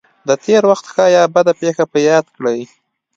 د تېر وخت ښه یا بده پېښه په یاد کړئ.